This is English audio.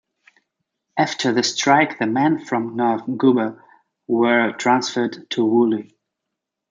After the strike the men from North Gawber were transferred to Woolley.